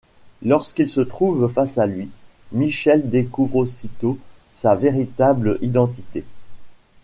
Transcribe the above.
Lorsqu'il se trouve face à lui, Michel découvre aussitôt sa véritable identité...